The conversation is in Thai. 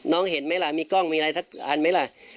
เห็นไหมล่ะมีกล้องมีอะไรสักอันไหมล่ะ